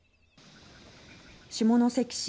下関市